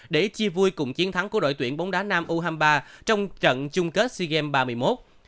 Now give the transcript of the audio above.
để chia vui cùng chiến thắng của đội tuyển bóng đá nam u hai mươi ba trong trận chung kết sea games ba mươi một